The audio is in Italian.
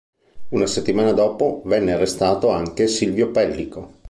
Una settimana dopo venne arrestato anche Silvio Pellico.